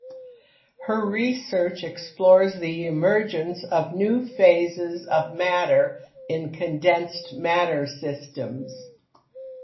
Her research explores the emergence of new phases of matter in condensed matter systems.